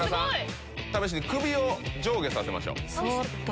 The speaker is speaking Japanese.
試しに首を上下させましょう。